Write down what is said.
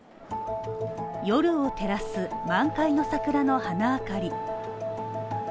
夜を照らす満開の桜の花明かり。